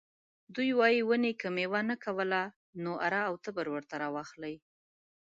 دوی وايي ونې که میوه نه کوله نو اره او تبر ورته راواخلئ.